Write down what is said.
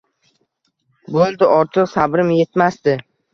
Bo`ldi ortiq sabrim etmasdi